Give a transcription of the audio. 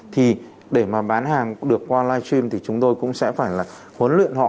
thì để mà bán hàng được qua live stream thì chúng tôi cũng sẽ phải là huấn luyện họ